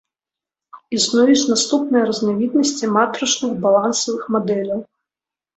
Існуюць наступныя разнавіднасці матрычных балансавых мадэляў.